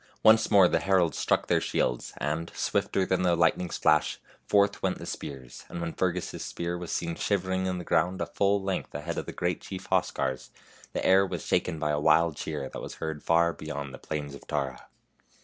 Once more the heralds struck their shields, and, swifter than the lightning's flash, forth went the spears, and when Fergus's spear was seen shivering in the ground a full THE HUNTSMAN'S SON 89 length ahead of the great chief Oscar's, the air was shaken by a wild cheer that was heard far beyond the plains of Tara.